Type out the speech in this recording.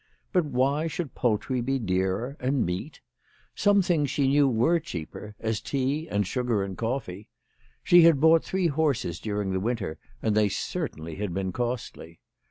But why should poultry he dearer, and meat ? Some things she knew were cheaper, as tea and sugar and coffee. She had bought three horses during the winter, and they certainly had been costly.